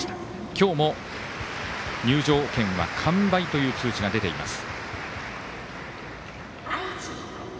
今日も、入場券は完売という通知が出ています。